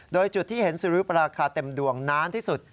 โดยจุดที่เห็นสุริปราคาเต็มดวงนานที่สุด